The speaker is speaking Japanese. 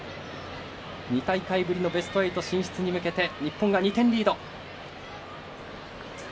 ２大会ぶりのベスト８進出に向けて日本が２点リード。